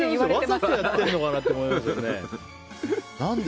わざとやってるのかなって思いますよね。